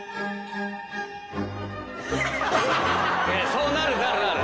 そうなるなるなる。